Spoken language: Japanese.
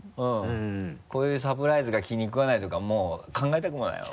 こういうサプライズが気にくわないとかもう考えたくもないわ。